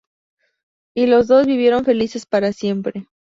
Y los dos vivieron felices para siempre.